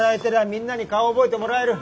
みんなに顔覚えてもらえる。